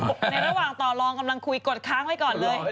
ในระหว่างต่อลองกำลังคุยกดค้างไว้ก่อนเลย